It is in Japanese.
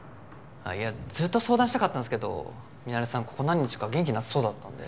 あっいやずっと相談したかったんですけどミナレさんここ何日か元気なさそうだったんで。